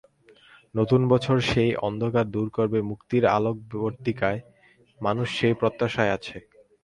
নতুন বছর সেই অন্ধকার দূর করবে মুক্তির আলোকবর্তিকায়, মানুষ সেই প্রত্যাশায় আছে।